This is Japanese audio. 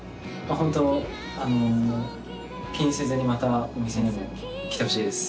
ホントあの気にせずにまたお店にも来てほしいです